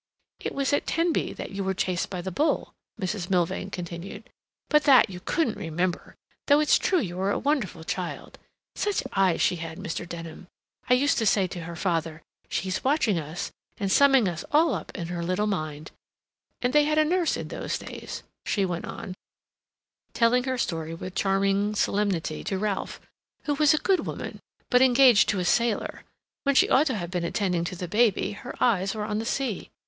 "It was at Tenby that you were chased by the bull," Mrs. Milvain continued. "But that you couldn't remember, though it's true you were a wonderful child. Such eyes she had, Mr. Denham! I used to say to her father, 'She's watching us, and summing us all up in her little mind.' And they had a nurse in those days," she went on, telling her story with charming solemnity to Ralph, "who was a good woman, but engaged to a sailor. When she ought to have been attending to the baby, her eyes were on the sea.